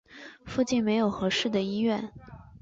附近没有适合的医院